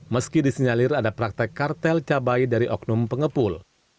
meski disinyalir ada praktek kartel cabai dari oknum pengepul